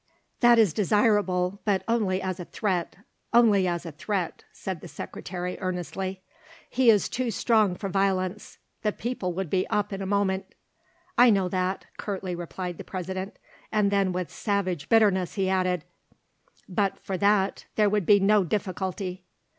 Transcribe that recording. "That is desirable, but only as a threat, only as a threat," said the Secretary earnestly. "He is too strong for violence; the people would be up in a moment." "I know that," curtly replied the President, and then with savage bitterness he added: "but for that there would be no difficulty."